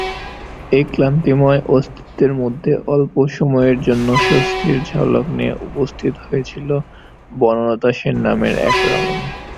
এই ক্লান্তিময় অস্তিত্বের মধ্যে অল্প সময়ের জন্য শান্তির ঝলক নিয়ে উপস্থিত হয়েছিল বনলতা সেন নামের এক রমণী।